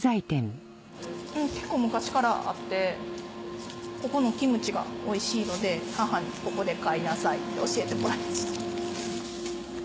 結構昔からあってここのキムチがおいしいので母にここで買いなさいって教えてもらいました。